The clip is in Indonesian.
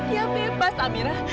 dia bebas amirah